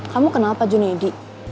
kamu kenal pak juna ya di